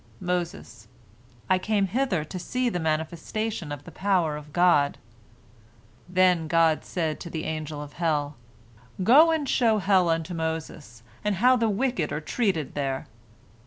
Moses: "I came hither to see the manifestation of the power of God." Then said God to the Angel of Hell, "Go and show hell unto Moses, and how the wicked are treated there."